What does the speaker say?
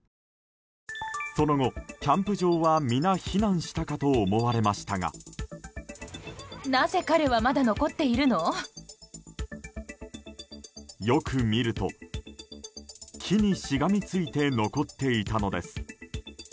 その後、キャンプ場は皆避難したかと思われましたがよく見ると、木にしがみついて残っていたのです。